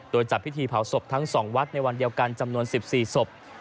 โดยจัดพิธีเผาศพทั้ง๒วัดในวันเดียวกันจำนวน๑๔ศพ